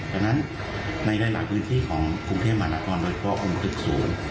ดังนั้นในหลายพื้นที่ของกรุงเทพมหานครโดยเฉพาะองค์ตึกศูนย์